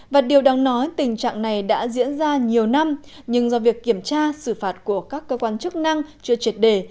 và điều đáng nói tình trạng này đã diễn ra nhiều năm nhưng do việc kiểm tra xử phạt của các cơ quan chức năng chưa triệt đề